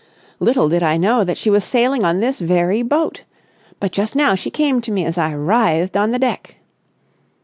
Little did I know that she was sailing on this very boat! But just now she came to me as I writhed on the deck...."